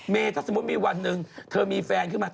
ถ้าสมมุติมีวันหนึ่งเธอมีแฟนขึ้นมา